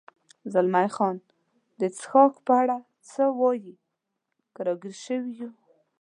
زلمی خان: د څښاک په اړه څه وایې؟ که را ګیر شوي یو.